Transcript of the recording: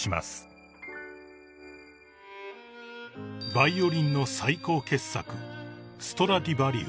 ［バイオリンの最高傑作］